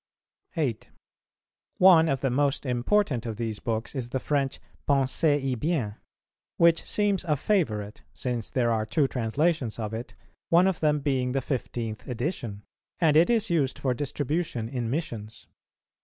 8. One of the most important of these books is the French Pensez y bien, which seems a favourite, since there are two translations of it, one of them being the fifteenth edition; and it is used for distribution in Missions.